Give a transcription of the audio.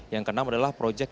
yang keenam adalah projek